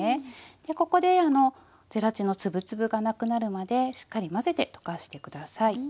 でここでゼラチンの粒々がなくなるまでしっかり混ぜて溶かして下さい。